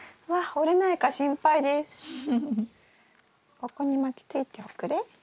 ここに巻きついておくれ。